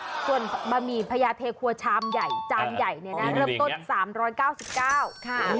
ส่วนบะหมี่พญาเทครัวชามใหญ่จานใหญ่เนี่ยนะเริ่มต้น๓๙๙บาท